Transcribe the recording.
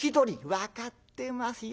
「分かってますよ。